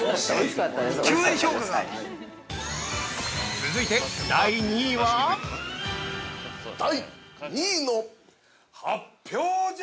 ◆続いて、第２位は◆第２位の発表じゃ！